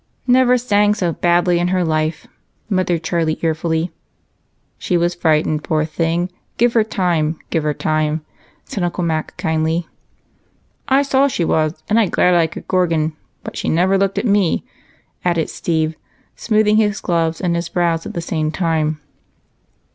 "Never sang so badly in her life," muttered Charlie irefully. "She was frightened, poor thing. Give her time, give her time," said Uncle Mac kindly. "I know she was, and I glared like a gorgon, but she never looked at me," added Steve, smoothing his gloves and his brows at the same time.